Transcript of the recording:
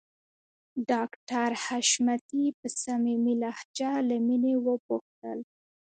ډاکټر حشمتي په صميمي لهجه له مينې وپوښتل